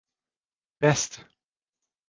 Peste !